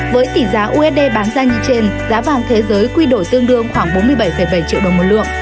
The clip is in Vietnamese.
với tỷ giá usd bán ra như trên giá vàng thế giới quy đổi tương đương khoảng bốn mươi bảy bảy triệu đồng một lượng